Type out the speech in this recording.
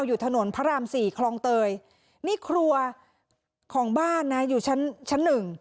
อยู่ถนนพระรามสี่คลองเตยนี่ครัวของบ้านนะอยู่ชั้นชั้นหนึ่ง